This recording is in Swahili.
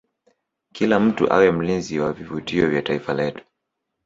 kila mtu awe mlinzi wa vivutio vya taifa letu